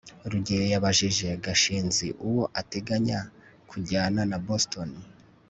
rugeyo yabajije gashinzi uwo ateganya kujyana na boston